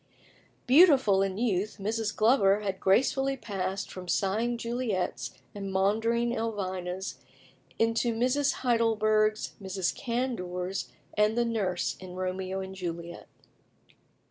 Beautiful in youth, Mrs. Glover had gracefully passed from sighing Juliets and maundering Elvinas into Mrs. Heidelbergs, Mrs. Candours, and the Nurse in "Romeo and Juliet."